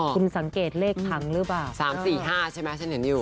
คุณสังเกตเลขถังหรือเปล่า๓๔๕ใช่ไหมฉันเห็นอยู่